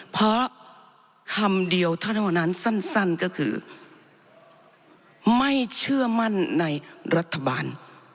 เพราะคำเดียวเท่านั้นสั้นก็คือไม่เชื่อมั่นในรัฐบาล